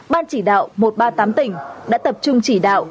ban chỉ đạo một trăm ba mươi tám tỉnh đã tập trung chỉ đạo